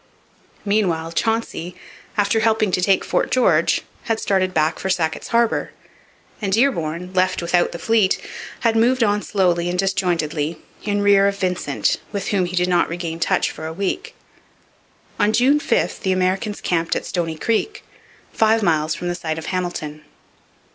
Meanwhile Chauncey, after helping to take Fort George, had started back for Sackett's Harbour; and Dearborn, left without the fleet, had moved on slowly and disjointedly, in rear of Vincent, with whom he did not regain touch for a week. On June 5 the Americans camped at Stoney Creek, five miles from the site of Hamilton.